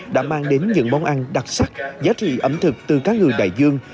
đã mang đến những món ăn đặc sắc giá trị ẩm thực từ cá ngừ đại dương